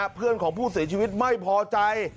เพื่อนของผู้เสียชีวิตไม่พอใจ